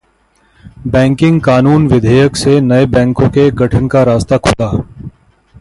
banking कानून विधेयक से नए बैंकों के गठन का रास्ता खुला